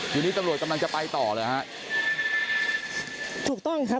ทีนี้ตำรวจกำลังจะไปต่อเลยฮะถูกต้องครับ